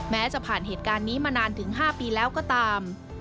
จะผ่านเหตุการณ์นี้มานานถึง๕ปีแล้วก็ตาม